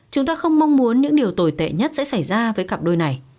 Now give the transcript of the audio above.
chúng ta không mong muốn những điều tồi tệ nhất sẽ xảy ra với cặp đôi này